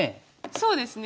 そうですね